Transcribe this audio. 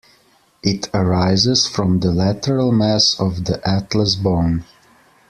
It arises from the lateral mass of the atlas bone.